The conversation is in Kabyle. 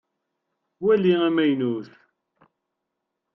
Wali amaynut!